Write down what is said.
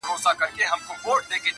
دا به څوک وي چي ستا مخي ته درېږي؛